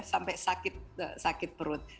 sampai sakit perut